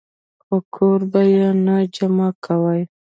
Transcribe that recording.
خو کور به ئې نۀ جمع کوئ -